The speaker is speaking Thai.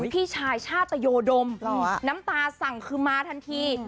พี่ชายชาตโยดมน้ำตาสั่งคือมาทันที